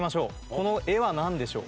この絵はなんでしょう？